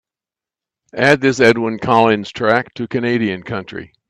Add this edwyn collins track to Canadian Country